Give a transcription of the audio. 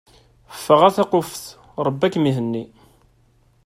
Ffeɣ a taqufet, Ṛebbi ad kem-ihenni.